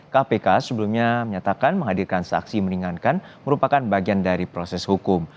kpk sebelumnya menyatakan menghadirkan saksi meringankan merupakan bagian dari proses hukum